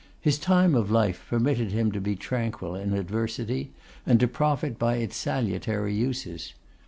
His time of life permitted him to be tranquil in adversity, and to profit by its salutary uses.